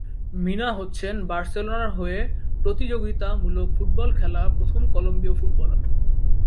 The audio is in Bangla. মিনা হচ্ছেন বার্সেলোনার হয়ে প্রতিযোগিতা মূলক ফুটবল খেলা প্রথম কলম্বীয় ফুটবলার।